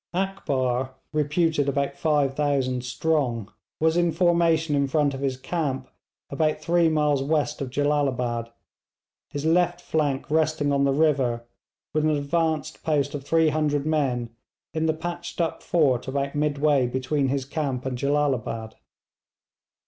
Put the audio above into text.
Akbar, reputed about 5000 strong, was in formation in front of his camp about three miles west of Jellalabad, his left flank resting on the river, with an advanced post of 300 men in the 'patched up' fort about midway between his camp and Jellalabad.